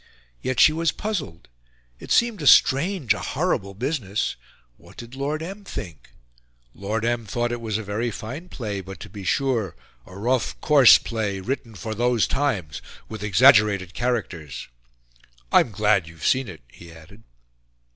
Yet she was puzzled; it seemed a strange, a horrible business. What did Lord M. think? Lord M. thought it was a very fine play, but to be sure, "a rough, coarse play, written for those times, with exaggerated characters." "I'm glad you've seen it," he added.